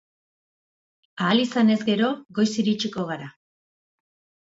Ahal izanez gero, goiz iritsiko gara.